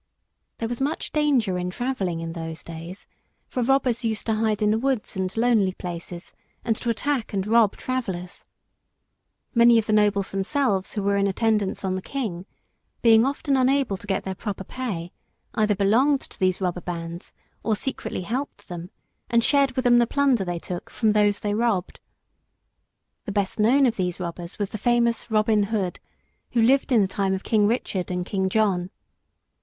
There was much danger in travelling in those days, for robbers used to hide in the woods and lonely places, and to attack and rob travellers. Many of the nobles themselves who were in attendance on the King, being often unable to get their proper pay, either belonged to these robber bands or secretly helped them, and shared with them the plunder they took from those they robbed. The best known of these robbers was the famous Robin Hood, who lived in the time of King Richard and King John.